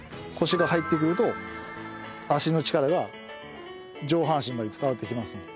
腰が入ってくると足の力が上半身まで伝わってきます。